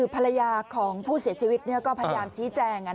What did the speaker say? ภรรยาของผู้เสียชีวิตก็พยายามชี้แจง